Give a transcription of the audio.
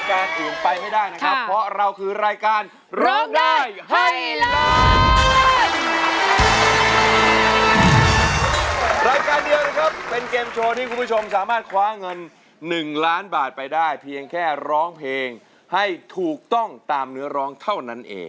ตรงเวลาเป๊ะนะครับมามอบความบันเทิงรื่นเริงใจ